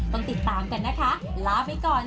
ต้องติดตามกันนะคะลาไปก่อน